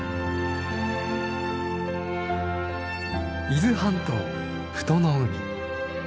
伊豆半島富戸の海。